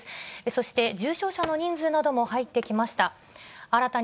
そして重症者の人数なども入ってきました。